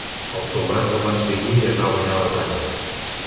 Els soldats el van seguir i es va guanyar la batalla.